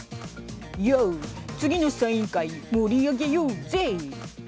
よう次のサイン会盛り上げようぜい。